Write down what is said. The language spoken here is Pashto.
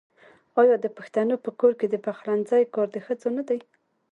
آیا د پښتنو په کور کې د پخلنځي کار د ښځو نه دی؟